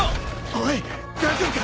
おい大丈夫か！？